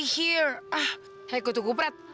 hei kutu kuprat